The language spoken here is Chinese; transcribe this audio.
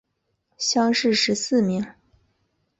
乡试十四名。